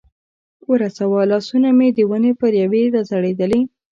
ورساوه، لاسونه مې د ونې پر یوې را ځړېدلې.